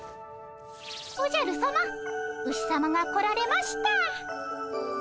おじゃるさまウシさまが来られました。